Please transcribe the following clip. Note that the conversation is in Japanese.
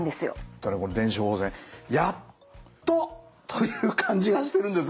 ただこの電子処方箋やっとという感じがしてるんですが。